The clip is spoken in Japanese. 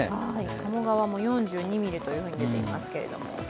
鴨川も４２ミリと出ていますが。